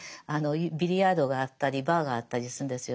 ビリヤードがあったりバーがあったりするんですよ。